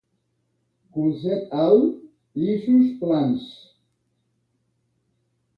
Colzet alt, lliços plans.